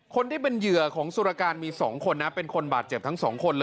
คนที่เป็นเหยื่อของสุรการมี๒คนนะเป็นคนบาดเจ็บทั้งสองคนเลย